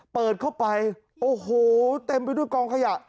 เปิดเข้าไปโอ้โหเต็มไปด้วยกองขยะ